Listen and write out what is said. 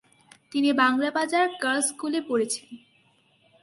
তিনি বাংলা বাজার গার্লস স্কুলে পড়েছেন।